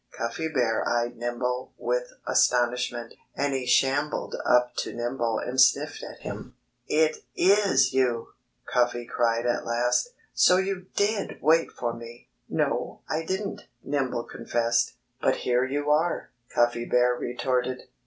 Cuffy Bear eyed Nimble with astonishment. And he shambled up to Nimble and sniffed at him. "It is you!" Cuffy cried at last. "So you did wait for me!" "No, I didn't," Nimble confessed. "But here you are!" Cuffy Bear retorted.